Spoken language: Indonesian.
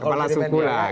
kepala suku lah